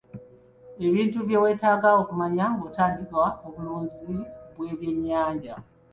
Ebintu bye weetaaga okumanya ng'otandika obulunzi bw'ebyennyanja.